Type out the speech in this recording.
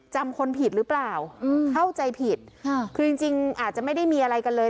จำคนผิดหรือเปล่าเข้าใจผิดค่ะคือจริงจริงอาจจะไม่ได้มีอะไรกันเลย